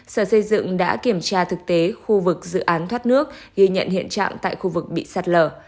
sở xây dựng đã kiểm tra thực tế khu vực dự án thoát nước ghi nhận hiện trạng tại khu vực bị sạt lở